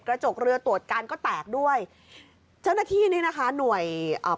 กระจกเรือตรวจการก็แตกด้วยเจ้าหน้าที่นี่นะคะหน่วยอ่า